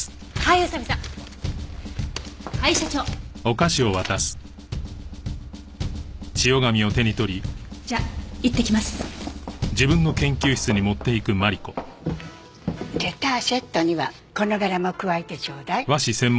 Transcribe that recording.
レターセットにはこの柄も加えてちょうだい。